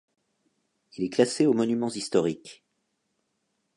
Il est classé aux monuments historiques.